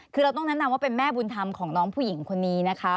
คือเราต้องแนะนำว่าเป็นแม่บุญธรรมของน้องผู้หญิงคนนี้นะคะ